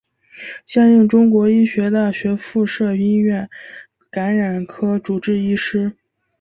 现任中国医药大学附设医院感染科主治医师。